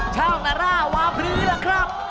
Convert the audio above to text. ชาวนาร่าวาพรือล่ะครับ